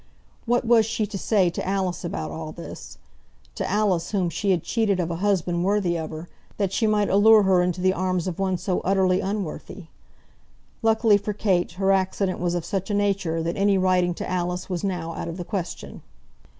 What was she to say to Alice about all this to Alice whom she had cheated of a husband worthy of her, that she might allure her into the arms of one so utterly unworthy? Luckily for Kate, her accident was of such a nature that any writing to Alice was now out of the question.